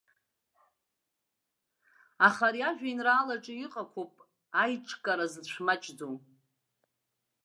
Аха ари ажәеинраалаҿы иҟақәоуп аиҿкара зыцәмаҷӡоу.